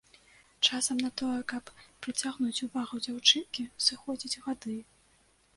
Часам на тое, каб прыцягнуць увагу дзяўчынкі, сыходзяць гады.